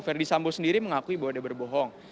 verdi sambo sendiri mengakui bahwa dia berbohong